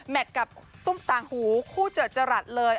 แมทกับตุ้มตางหูคู่เจอจรัดเลย